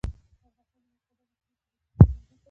د افغانستان د موقعیت د افغانستان د طبعي سیسټم توازن ساتي.